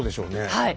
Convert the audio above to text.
はい！